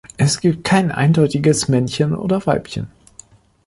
Es gibt kein eindeutiges Männchen oder Weibchen.